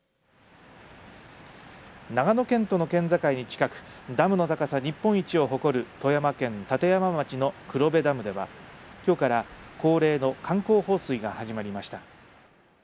長野県との県境に近くダムの高さ日本一を誇る富山県立山町の黒部ダムではきょうから恒例の観光放水が始まりました。